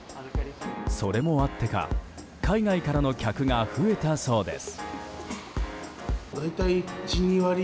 それもあってか海外からの客が増えたそうです。